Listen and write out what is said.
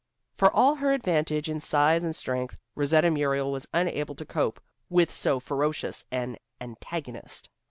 For all her advantage in size and strength, Rosetta Muriel was unable to cope with so ferocious an antagonist.